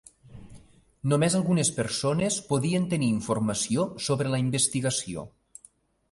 Només algunes persones podien tenir informació sobre la investigació.